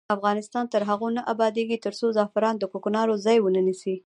افغانستان تر هغو نه ابادیږي، ترڅو زعفران د کوکنارو ځای ونه نیسي.